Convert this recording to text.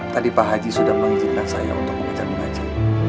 tadi pak haji sudah mengizinkan saya untuk mempercayai ngaji